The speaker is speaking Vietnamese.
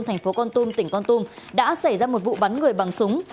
thành phố con tum tỉnh con tum đã xảy ra một vụ bắn người bằng súng